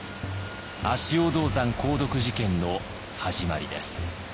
足尾銅山鉱毒事件の始まりです。